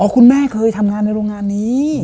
คุณแม่เคยทำงานในโรงงานนี้